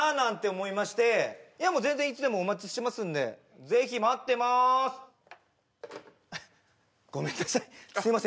思いましていやもう全然いつでもお待ちしてますんでぜひ待ってまーすごめんなさいすいません